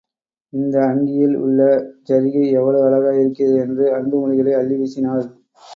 இந்த அங்கியில் உள்ள ஜரிகை எவ்வளவு அழகாக இருக்கிறது என்று அன்பு மொழிகளை அள்ளி வீசினாள்.